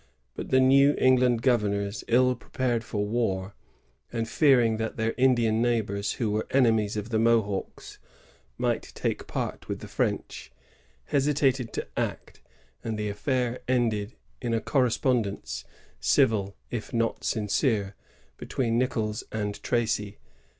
But the New England governors — ill prepared for war, and fearing that their Indian neighbors, who were enemies of the Mohawks, might take part with the French — hesi tated to act, and the affair ended in a correspondence, civil if not sincere, between Nicolls and Tracy.